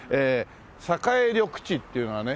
栄緑地っていうのはね